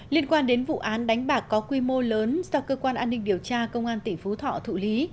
liên quan đến vụ án đánh bạc có quy mô lớn do cơ quan an ninh điều tra công an tỉnh phú thọ thụ lý